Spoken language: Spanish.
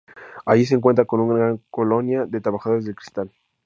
Allí se encuentra con una gran colonia de trabajadores del cristal.